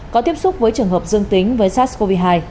có tiếp xúc với trường hợp dương tính với sars cov hai